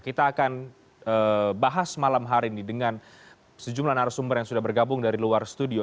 kita akan bahas malam hari ini dengan sejumlah narasumber yang sudah bergabung dari luar studio